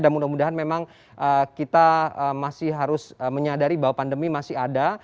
dan mudah mudahan memang kita masih harus menyadari bahwa pandemi masih ada